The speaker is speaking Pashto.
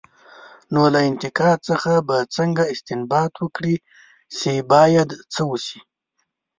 نو له انتقاد څخه به څنګه استنباط وکړي، چې باید څه وشي؟